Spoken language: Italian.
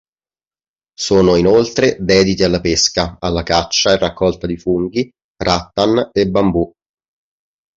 Sono inoltre dediti alla pesca, alla caccia e raccolta di funghi, rattan e bambù.